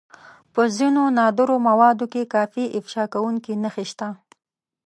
په ځينو نادرو مواردو کې کافي افشا کوونکې نښې شته.